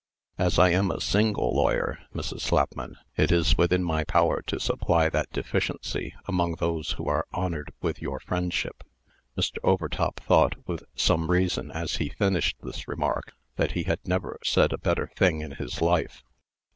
"As I am a single lawyer, Mrs. Slapman, it is within my power to supply that deficiency among those who are honored with your friendship." Mr. Overtop thought, with some reason, as he finished this remark, that he had never said a better thing in his life.